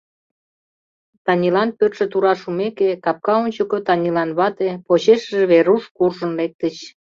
Танилан пӧртшӧ тура шумеке, капка ончыко Танилан вате, почешыже Веруш куржын лектыч.